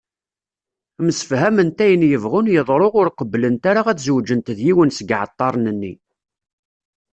Msefhament ayen yebɣun yeḍru ur qebblent ara ad zewǧent d yiwen seg yiɛeṭṭaren-nni.